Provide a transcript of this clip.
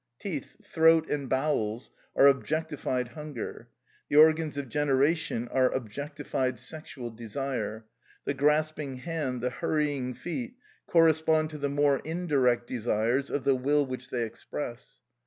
Teeth, throat, and bowels are objectified hunger; the organs of generation are objectified sexual desire; the grasping hand, the hurrying feet, correspond to the more indirect desires of the will which they express.